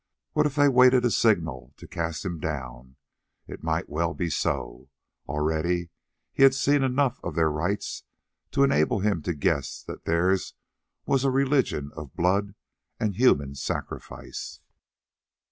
What if they waited a signal to cast him down? It might well be so. Already he had seen enough of their rites to enable him to guess that theirs was a religion of blood and human sacrifice.